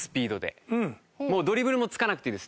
ドリブルもつかなくていいです。